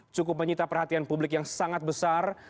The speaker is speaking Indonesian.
cukup menyita perhatian publik yang sangat besar